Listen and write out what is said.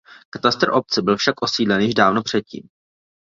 Katastr obce byl však osídlen již dávno předtím.